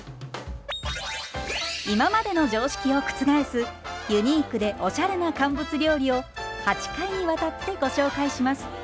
今までの常識を覆すユニークでおしゃれな乾物料理を８回にわたってご紹介します。